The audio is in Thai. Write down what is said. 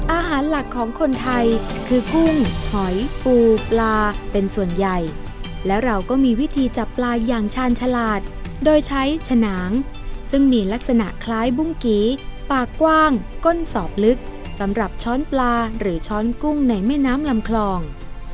อาหารหลักของคนไทยคือกุ้งหอยปูปลาเป็นส่วนใหญ่แล้วเราก็มีวิธีจับปลาอย่างชาญฉลาดโดยใช้ฉนางซึ่งมีลักษณะคล้ายบุ้งกี่ปากกว้างก้นสอบลึกสำหรับช้อนปลาหรือช้อนกุ้งในแม่น้ำลำคลอง